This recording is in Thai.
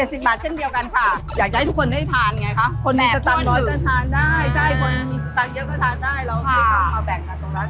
อยากให้ทุกคนได้ทานไงคะคนมีตันเยอะก็จะทานได้เราไม่ต้องเอาแบ่งกันตรงร้านนี้